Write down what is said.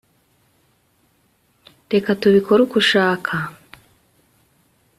reka tubikore uko ushaka